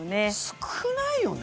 少ないよね。